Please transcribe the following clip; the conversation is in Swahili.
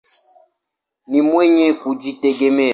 Ni mwenye kujitegemea.